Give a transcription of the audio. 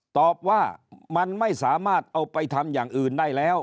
ตอบว่ามันไม่สามารถเอาไปทำอย่างอื่นได้แล้ว